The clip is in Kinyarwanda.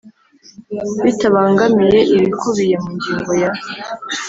Bitabangamiye ibikubiye mu ngingo ya